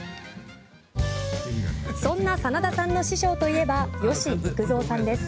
そんな真田さんの師匠といえば吉幾三さんです。